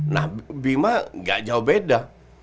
nah bima gak jauh beda